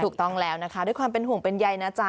ถูกต้องแล้วนะคะด้วยความเป็นห่วงเป็นใยนะจ๊ะ